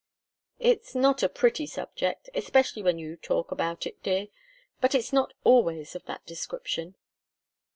"It's not a pretty subject especially when you talk about it, dear but it's not always of that description."